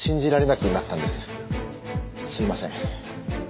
すいません。